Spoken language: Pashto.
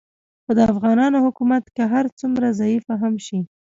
خو د افغانانو حکومت که هر څومره ضعیفه هم شي